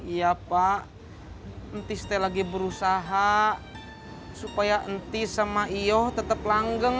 iya pak ntis teh lagi berusaha supaya ntis sama iyoh tetap langgeng